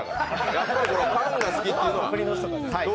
やっぱりパンが好きというのは。